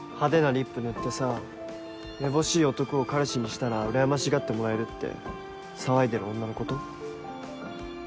リップ塗ってさめぼしい男を彼氏にしたらうらやましがってもらえるって騒いでる女のこと？